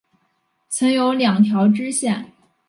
曾有两条支线。